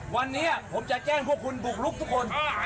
วันนี้ผมจะแจ้งพวกคุณบุกลุกทุกคน